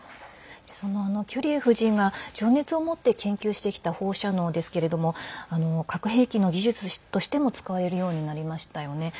そのキュリー夫人が情熱を持って研究してきた放射能ですけれども核兵器の技術としても使われるようになりましたよね。